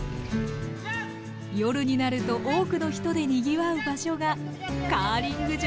夜になると多くの人でにぎわう場所がカーリング場。